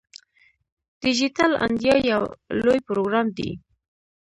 ډیجیټل انډیا یو لوی پروګرام دی.